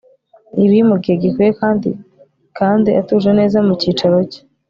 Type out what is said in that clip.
ibi mugihe gikwiye kandi kandi atuje neza mucyicaro cye